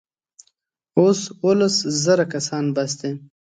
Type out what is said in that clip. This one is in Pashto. اوس اوولس زره کسان بس دي.